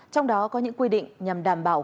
trong đó có những quy định nhằm đảm bảo